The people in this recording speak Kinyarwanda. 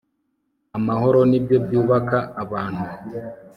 amahoro nibyo byubaka abantu